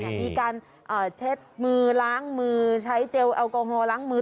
มีการเช็ดมือล้างมือใช้เจลแอลกอฮอลล้างมือ